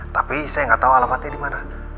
tapi saya gak tau alamatnya dimana